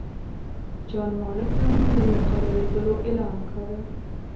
جان مالکم د مقررېدلو اعلان کاوه.